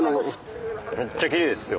めっちゃキレイですよ。